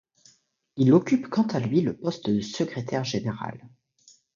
Il occupe quant à lui le poste de secrétaire général.